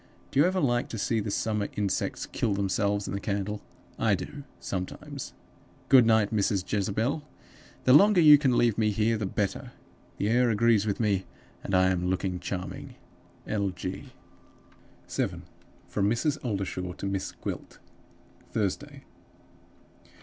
Do you ever like to see the summer insects kill themselves in the candle? I do, sometimes. Good night, Mrs. Jezebel. The longer you can leave me here the better. The air agrees with me, and I am looking charmingly. "L. G." 7. From Mrs. Oldershaw to Miss Gwilt. "Thursday.